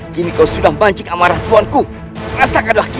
jangan kira kau bisa kabur sebudah itu kalas sergi